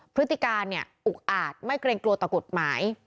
พฤติการเนี่ยอุกอาจไม่เกรงกลัวต่อกฎหมาย